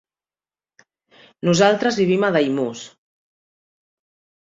Nosaltres vivim a Daimús.